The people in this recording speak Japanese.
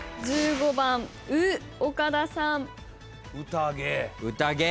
１５番「う」岡田さん。